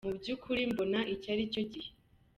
Mu by'ukuri mbona iki ari cyo gihe.